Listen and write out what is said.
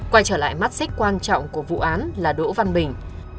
quay trở lại mắt xích quan trọng của vụ án là đỗ văn bình